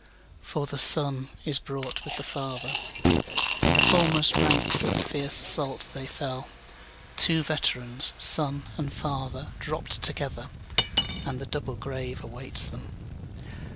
5For the son is brought with the father; In the foremost ranks of the fierce assault they fell; Two veterans, son and father, dropt together, And the double grave awaits them.